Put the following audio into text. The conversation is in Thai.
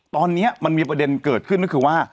ตอนนี้มันมีประเด็นเกิดขึ้นก็คือว่า